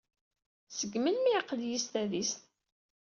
Seg melmi ay aql-iyi s tadist?